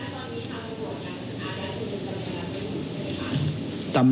ตำรวจที่เมืองกาลชีวิตนะครับ